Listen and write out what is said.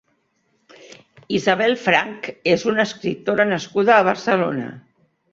Isabel Franc és una escriptora nascuda a Barcelona.